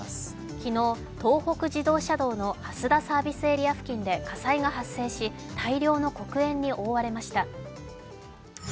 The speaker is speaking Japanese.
昨日、東北自動車道の蓮田サービスエリア付近で火災が発生し大量の黒煙に覆われました。